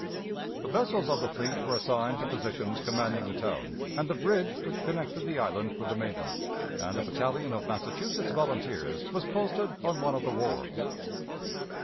The vessels of the fleet were assigned to positions commanding the town and the bridge which connected the island with the mainland, and a battalion of Massachusetts volunteers was posted on one of the wharves.